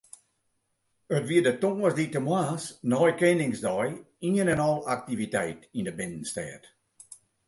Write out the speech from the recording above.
It wie de tongersdeitemoarns nei Keningsdei ien en al aktiviteit yn de binnenstêd.